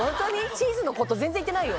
チーズのこと全然言ってないよ。